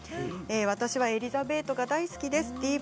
私は「エリザベート」が大好きです。